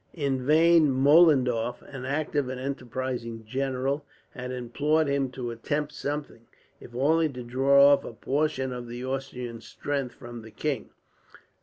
In vain Mollendorf, an active and enterprising general, had implored him to attempt something, if only to draw off a portion of the Austrian strength from the king.